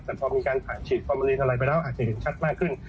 แต่พอมีการผ่าฉีดฟอร์มาลีนอะไรไปแล้วอาจจะเห็นชัดมากขึ้น